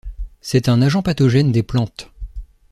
C'est un agent pathogène des plantes.